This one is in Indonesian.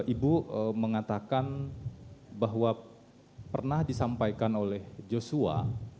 ibu mengatakan bahwa pernah disampaikan oleh joshua